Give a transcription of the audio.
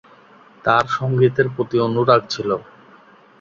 তার সংগীতের প্রতি অনুরাগ ছিল।